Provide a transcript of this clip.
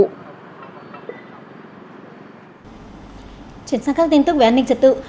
chuyển sang các tin tức về an ninh trật tự